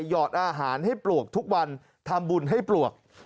หอดอาหารให้ปลวกทุกวันทำบุญให้ปลวก